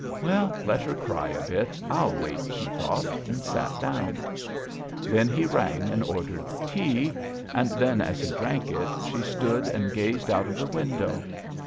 "Well, let her cry a bit.... I'll wait," he thought, and sat down. Then he rang and ordered tea, and then, as he drank it, she stood and gazed out of the window....